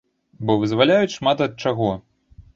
Бо вызваляюць шмат ад чаго.